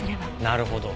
なるほど。